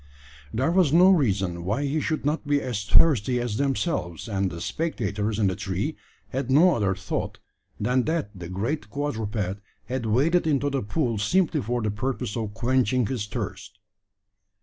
There was no reason why he should not be as thirsty as themselves; and the spectators in the tree had no other thought, than that the great quadruped had waded into the pool simply for the purpose of quenching his thirst.